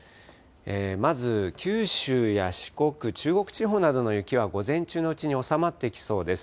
まず九州や四国、中国地方などの雪は午前中のうちに収まってきそうです。